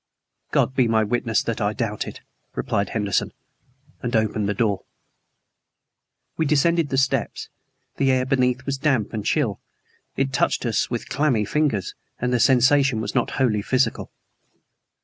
"God be my witness that I doubt it," replied Henderson, and opened the door. We descended the steps. The air beneath was damp and chill. It touched us as with clammy fingers; and the sensation was not wholly physical.